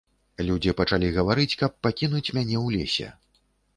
Людзі пачалі гаварыць, каб пакінуць мяне ў лесе.